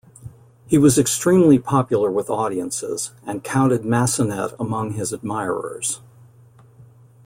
He was extremely popular with audiences, and counted Massenet among his admirers.